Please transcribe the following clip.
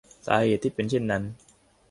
สาเหตุที่เป็นเช่นนั้น